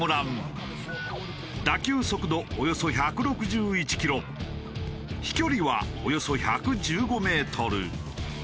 打球速度およそ１６１キロ飛距離はおよそ１１５メートル。